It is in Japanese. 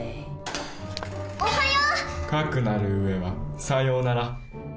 かくなる上はさようなら。